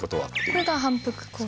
これが反復構造？